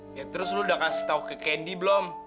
ya terus lu udah kasih tau ke candy belum